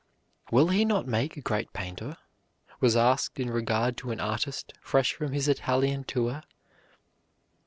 "Will he not make a great painter?" was asked in regard to an artist fresh from his Italian tour.